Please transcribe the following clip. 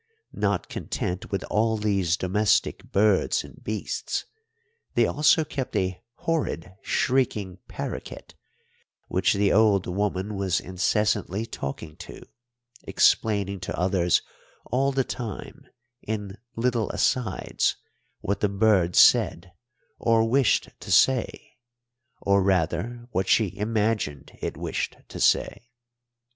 Not content with all these domestic birds and beasts, they also kept a horrid, shrieking paroquet, which the old woman was incessantly talking to, explaining to the others all the time, in little asides, what the bird said or wished to say, or, rather, what she imagined it wished to say.